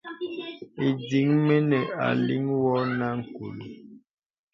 Ìdìŋ mə aliŋ wɔ nə ǹgùl.